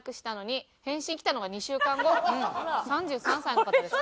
３３歳の方です。